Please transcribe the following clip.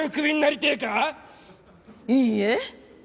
いいえ。